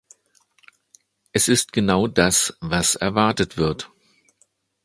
Es ist genau das, was erwartet wird.